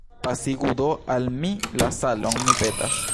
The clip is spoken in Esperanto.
Pasigu do al mi la salon, mi petas.